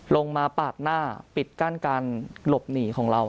มาปาดหน้าปิดกั้นการหลบหนีของเรา